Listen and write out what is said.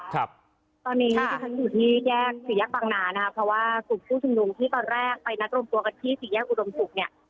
ตอนนี้ดิฉันอยู่ที่แยกสี่แยกบางนานะครับเพราะว่ากลุ่มผู้ชุมนุมที่ตอนแรกไปนัดรวมตัวกันที่สี่แยกอุดมศุกร์เนี่ย